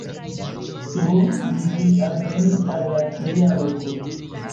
Do, ni ĵus alvenis al la tria loko